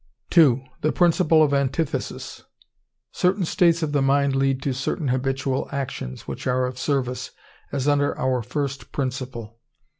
II. The principle of Antithesis.—Certain states of the mind lead to certain habitual actions, which are of service, as under our first principle.